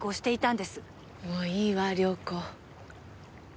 もういいわ涼子。